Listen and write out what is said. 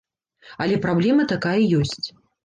Але праблема такая ёсць.